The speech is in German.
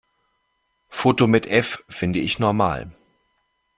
Foto mit F finde ich normal.